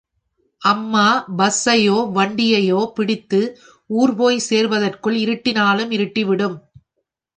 அம்மா பஸ்ஸையோ வண்டியையோ பிடித்து ஊர் போய்ச் சேர்வதற்குள் இருட்டினாலும் இருட்டிவிடும்.